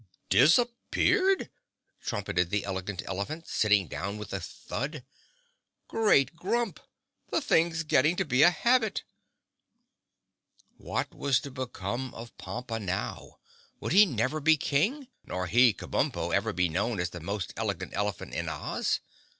"Disappeared!" trumpeted the Elegant Elephant, sitting down with a thud. "Great Grump! The thing's getting to be a habit!" What was to become of Pompa now? Would he never be King, nor he, Kabumpo, ever be known as the most Elegant Elephant in Oz?